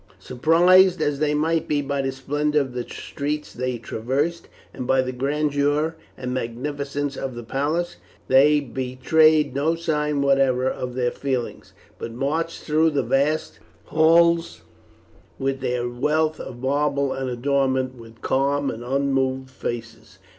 Surprised as they might be by the splendour of the streets they traversed, and by the grandeur and magnificence of the palace, they betrayed no sign whatever of their feelings, but marched through the vast halls with their wealth of marble and adornments with calm and unmoved faces.